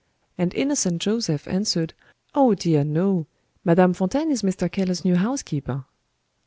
And innocent Joseph answered, 'Oh, dear no! Madame Fontaine is Mr. Keller's new housekeeper.'